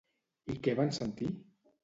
I què van sentir?